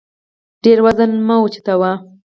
ډېر وزن مه اوچتوه